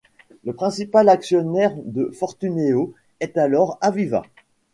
Le principal actionnaire de Fortuneo est alors Aviva.